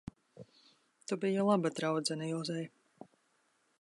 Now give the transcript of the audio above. Tu biji laba draudzene Ilzei.